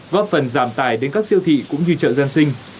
góp phần giảm tài đến các siêu thị cũng như chợ dân sinh